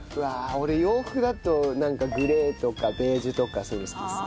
俺洋服だとなんかグレーとかベージュとかそういうの好きですね。